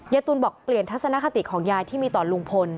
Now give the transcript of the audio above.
ตูนบอกเปลี่ยนทัศนคติของยายที่มีต่อลุงพล